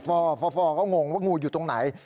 พ่อก็งงว่างูอยู่ตรงไหน